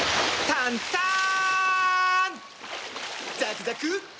タンターン！